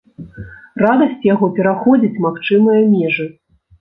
Радасць яго пераходзіць магчымыя межы.